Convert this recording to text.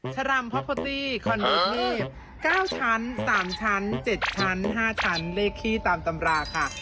ชาลัมพอปตี้คอนโดเทพก้าวชั้นสามชั้นเจ็ดชั้นห้าชั้นเลขี้ตามตำราค่ะ